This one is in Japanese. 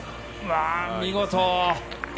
見事！